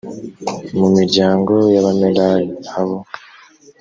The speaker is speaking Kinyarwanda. mu miryango y abamerari abo